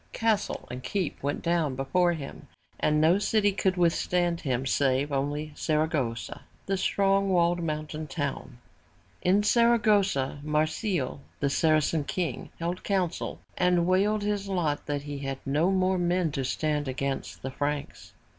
Castle and keep went down before him and no city could withstand him save only Sar a gos'sa, the strong walled mountain town. In Saragossa, Marsile, the Saracen king held council and wailed his lot, that he had no more men to stand against the Franks.